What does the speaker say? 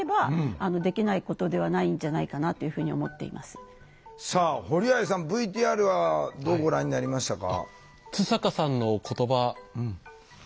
本当にさあ堀合さんＶＴＲはどうご覧になりましたか？